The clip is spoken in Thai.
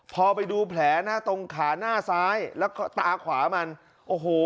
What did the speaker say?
พอไปดูแผลนะตรงขาหน้าซ้ายแล้วก็ตาขวามันโอ้โห